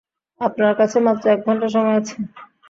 আপনার কাছে মাত্র এক ঘন্টা সময় আছে।